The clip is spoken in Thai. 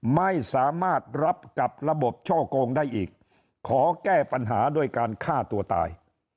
ไม่สามารถรับกับระบบช่อกงได้อีกขอแก้ปัญหาด้วยการฆ่าตัวตาย